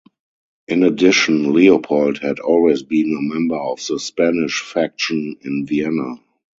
In addition, Leopold had always been a member of the "Spanish faction" in Vienna.